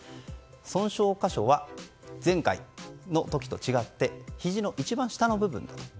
損傷個所は前回の時と違ってひじの一番下の部分だと。